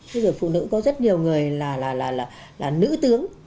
thế rồi phụ nữ có rất nhiều người là nữ tướng